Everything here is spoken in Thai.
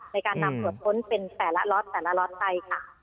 ในการนำตรวจค้นเป็นแต่ละล็อตแต่ละล็อตไปค่ะ